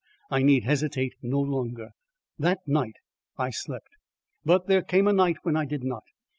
I need hesitate no longer. That night I slept. But there came a night when I did not.